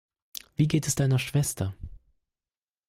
Wie geht es deiner Schwester?